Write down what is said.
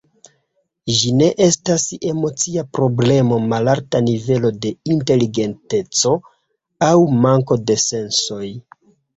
Ĝi ne estas emocia problemo, malalta nivelo de inteligenteco aŭ manko de sensoj.